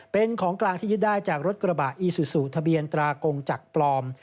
เป็นของกลางที่ยึดได้จากรถกระบะอีซูซูทะเบียนตรากงจักรปลอม